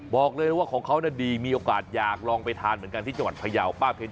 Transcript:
บอกเลยว่าของเขาดีมีโอกาสอยากลองไปทานเหมือนกันที่จังหวัดพยาวป้าเพชร